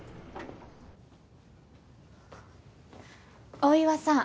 大岩さん。